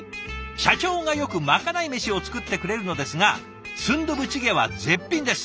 「社長がよくまかない飯を作ってくれるのですがスンドゥブチゲは絶品です」。